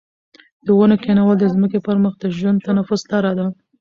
د ونو کښېنول د ځمکې پر مخ د ژوند د تنفس لاره ده.